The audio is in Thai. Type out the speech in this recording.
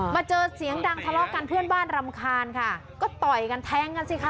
มาเจอเสียงดังทะเลาะกันเพื่อนบ้านรำคาญค่ะก็ต่อยกันแทงกันสิคะ